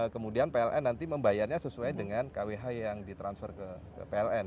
kemudian pln nanti membayarnya sesuai dengan kwh yang ditransfer ke pln